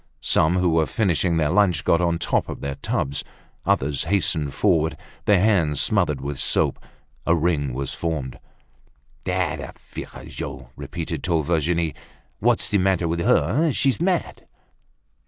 Some, who were finishing their lunch, got on the tops of their tubs. Others hastened forward, their hands smothered with soap. A ring was formed. "Ah! the virago!" repeated tall Virginie. "What's the matter with her? She's mad!"